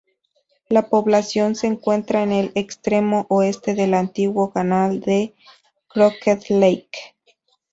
La población se encuentra en el extremo oeste del antiguo canal de Crooked Lake.